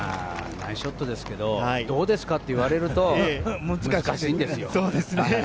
ナイスショットですけどどうですかって言われると難しいんですよ。